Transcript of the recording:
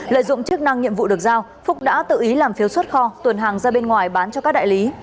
lợi dụng chức năng nhiệm vụ được giao phúc đã tự ý làm phiếu xuất kho tuần hàng ra bên ngoài bán cho các đại lý